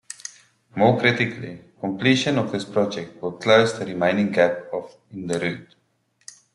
More critically, completion of this project will close the remaining gap in the route.